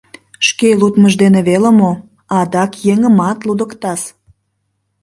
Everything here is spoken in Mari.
Шке лудмыж дене веле мо, адак еҥымат лудыктас...